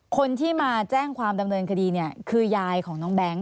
คนที่มาแจ้งความดำเนินคดีเนี่ยคือยายของน้องแบงค์